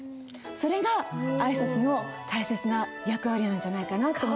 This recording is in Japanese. それが挨拶の大切な役割なんじゃないかなと思います。